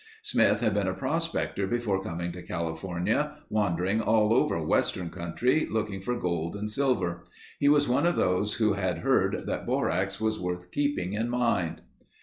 Smith had been a prospector before coming to California, wandering all over western country, looking for gold and silver. He was one of those who had heard that borax was worth keeping in mind.